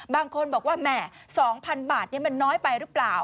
บางคนบอกว่าแหม๒๐๐๐บาทมันน้อยไปหรือเปล่า